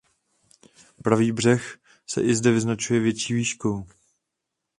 Pravý břeh se i zde vyznačuje větší výškou.